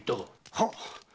はっ。